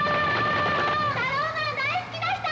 タローマン大好きな人！